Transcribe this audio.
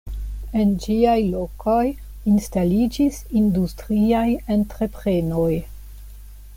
En ĝiaj lokoj instaliĝis industriaj entreprenoj.